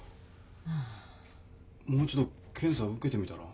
もう一度検査受けてみたら？